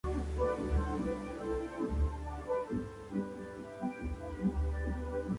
Los servicios regionales operados por Renfe la unen principalmente con Tortosa, Tarragona y Barcelona.